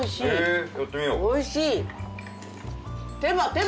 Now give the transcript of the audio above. おいしい！